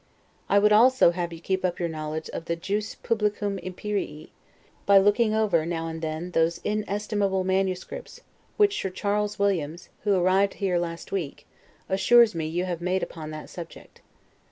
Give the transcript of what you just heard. I would also have you keep up your knowledge of the 'Jus Publicum Imperii', by looking over, now and then, those INESTIMABLE MANUSCRIPTS which Sir Charles Williams, who arrived here last week, assures me you have made upon that subject.